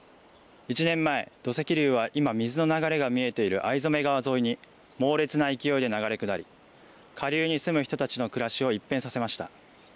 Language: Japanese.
１年前、土石流は今、水の流れが見えている逢初川沿いに猛烈な勢いで流れ下り、下流に住む人たちの暮らしを一変させました。